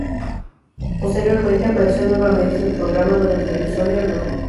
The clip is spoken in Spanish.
Posteriormente apareció nuevamente en el programa durante el episodio no.